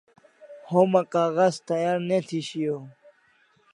Homa kaghas tayar ne thi shiau